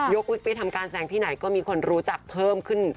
ไปทำการแสดงที่ไหนก็มีคนรู้จักเพิ่มขึ้น